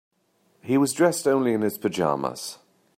He was dressed only in his pajamas.